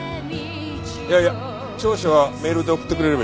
いやいや調書はメールで送ってくれればいい。